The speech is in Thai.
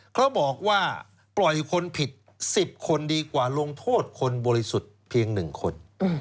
เขาบอกว่าปล่อยคนผิด๑๐คนดีกว่าลงโทษคนบริสุทธิ์เพียง๑คน